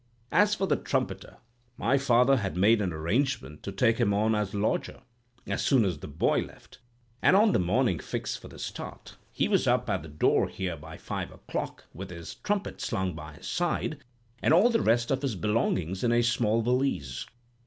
As for the trumpeter, my father had made an arrangement to take him on as lodger, as soon as the boy left; and on the morning fixed for the start, he was up at the door here by five o'clock, with his trumpet slung by his side, and all the rest of his belongings in a small valise.